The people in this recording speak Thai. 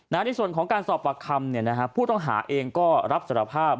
ในส่วนของการสอบปากคำผู้ต้องหาเองก็รับสารภาพ